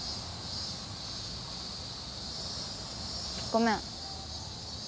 ごめん。